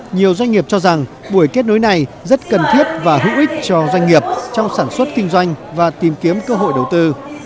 nhiều doanh nghiệp cho rằng buổi kết nối này rất cần thiết và hữu ích cho doanh nghiệp trong sản xuất kinh doanh và tìm kiếm cơ hội đầu tư